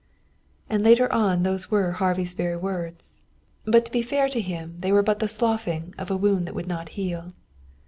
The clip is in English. And later on those were Harvey's very words. But to be fair to him they were but the sloughing of a wound that would not heal.